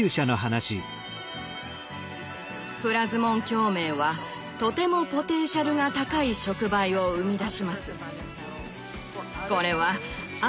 プラズモン共鳴はとてもポテンシャルが高い触媒を生み出します。